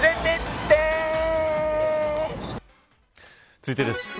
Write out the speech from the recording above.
続いてです。